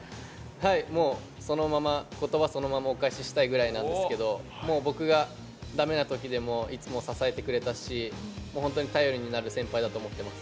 もうそのまま、ことばそのままお返ししたいぐらいなんですけど、もう僕がだめなときでもいつも支えてくれたし、もう本当に頼りになる先輩だと思っています。